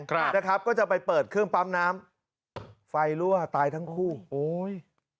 ครับนะครับก็จะไปเปิดเครื่องปั๊มน้ำไฟรั่วตายทั้งคู่โอ้ย